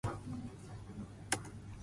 横浜中華街をぶらつく